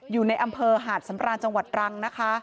อยู่ในอำเภอหาดสำราญจังหวัดรังนะคะ